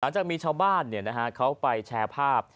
จากมีชาวบ้านเขาไปแชร์ภาพ